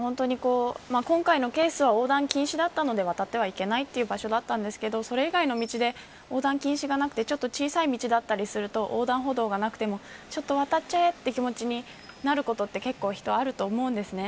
今回のケースは横断禁止だったので渡ってはいけない場所だったんですがそれ以外の道で横断禁止がなくて小さい道だったりすると横断歩道がなくても渡っちゃえという気持ちになることって結構あると思うんですね。